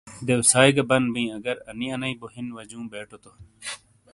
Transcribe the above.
دیوسائی گہ بند بیئں اگر انی انئیی بو ہین واجیوں بیٹو تو۔